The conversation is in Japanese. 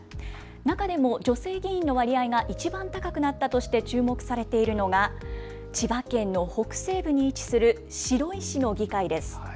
中でも女性議員の割合がいちばん高くなったとして注目されているのが千葉県の北西部に位置する白井市の議会です。